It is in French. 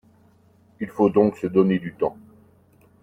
Il faut donc se donner du temps.